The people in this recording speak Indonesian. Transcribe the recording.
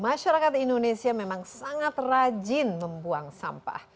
masyarakat indonesia memang sangat rajin membuang sampah